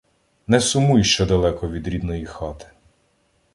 Не сумуй, що далеко від рідної хати.